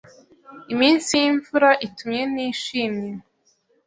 Iminsi yimvura itumye ntishimye.